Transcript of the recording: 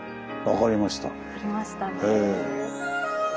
分かりましたね。